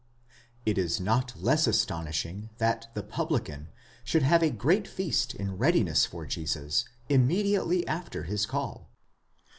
It is not less astonishing that the publican should have a great feast in readiness for Jesus immediately after his call.